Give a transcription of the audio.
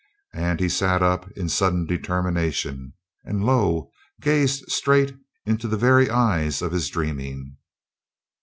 And he sat up in sudden determination, and, lo! gazed straight into the very eyes of his dreaming.